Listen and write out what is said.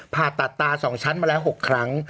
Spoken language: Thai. ผ่าตัดตา๒ชั้นมาแล้ว๖ครั้ง